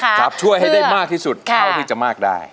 ช่วยให้ได้มากที่สุดเท่าที่จะมากได้